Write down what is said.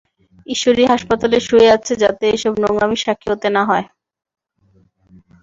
ঈশ্বরী হাসপাতালে শুয়ে আছে যাতে এসব নোংরামির সাক্ষী হতে না হয়।